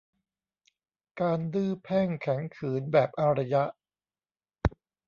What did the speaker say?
การดื้อแพ่งแข็งขืนแบบอารยะ